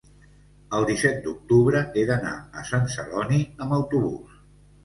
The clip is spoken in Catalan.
el disset d'octubre he d'anar a Sant Celoni amb autobús.